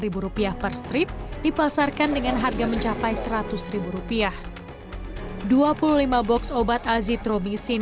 ribu rupiah per strip dipasarkan dengan harga mencapai seratus rupiah dua puluh lima box obat azitrobisin